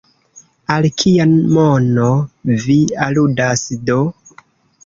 Al kia mono vi aludas do?